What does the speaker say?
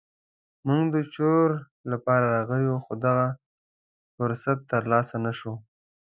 موږ د چور لپاره راغلي وو خو دغه فرصت تر لاسه نه شو.